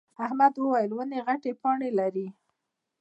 احمد وويل: ونې غتې پاڼې لري.